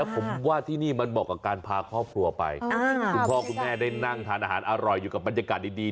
ผมว่าที่นี่มันเหมาะกับการพาครอบครัวไปคุณพ่อคุณแม่ได้นั่งทานอาหารอร่อยอยู่กับบรรยากาศดี